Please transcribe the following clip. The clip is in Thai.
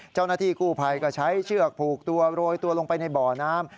เจ้าหน้าที่กู้ภัยก็ใช้เชือกผูกตัวโรยตัวลงไปในบ่อน้ำ